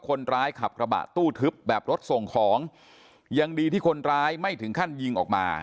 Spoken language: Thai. คนร้ายขับกระบะตู้ทึบแบบรถส่งของยังดีที่คนร้ายไม่ถึงขั้นยิงออกมา